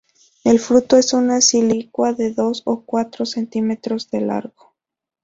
El fruto es una silicua de dos a cuatro centímetros de largo.